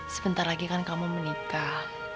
sebentar lagi kan kamu menikah